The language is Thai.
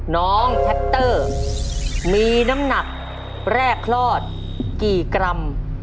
น้องแท็กเตอร์มีน้ำหนักแรกคลอดกี่กรัม